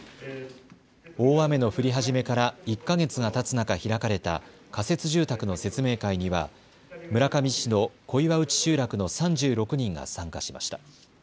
大雨の降り始めから１か月がたつ中、開かれた仮設住宅の説明会には村上市の小岩内集落の３６人が参加しました。